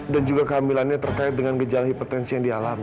dan juga kehamilannya terkait dengan gejala hipertensi yang dialami